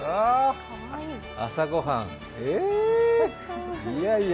朝ごはん。